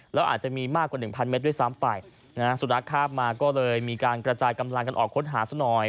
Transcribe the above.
แล้วอาจจะมีมากกว่าหนึ่งพันเมตรด้วยซ้ำไปนะฮะสุนัขคาบมาก็เลยมีการกระจายกำลังกันออกค้นหาซะหน่อย